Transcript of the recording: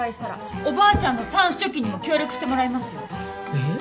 えっ？